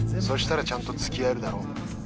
「そしたらちゃんとつきあえるだろ？」